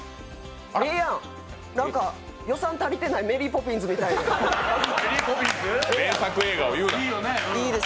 ええやん、予算足りてない「メリー・ポピンズ」みたいで。